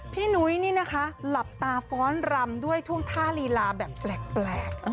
หนุ้ยนี่นะคะหลับตาฟ้อนรำด้วยท่วงท่าลีลาแบบแปลก